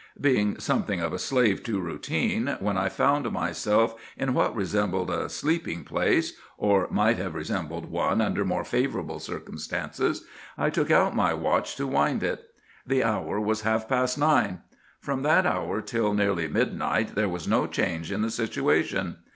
"Being something of a slave to routine, when I found myself in what resembled a sleeping place,—or might have resembled one under more favorable circumstances.—I took out my watch to wind it. The hour was half past nine. From that hour till nearly midnight there was no change in the situation.